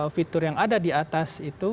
fitur yang ada diatas itu